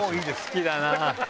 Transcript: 好きだなぁ。